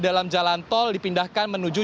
dalam jalan tol dipindahkan menuju